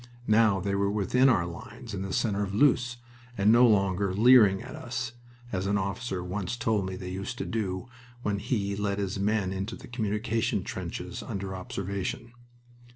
Now they were within our lines in the center of Loos, and no longer "leering" at us, as an officer once told me they used to do when he led his men into communication trenches under their observation.